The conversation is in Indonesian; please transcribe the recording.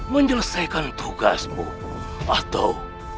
menyelesaikan tugasmu atau